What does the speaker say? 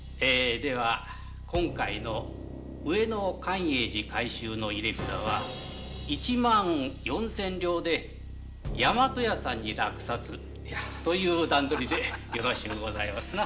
では上野寛永寺改修の入れ札は一万四千両で大和屋さんに落札という段取りでよろしいですね。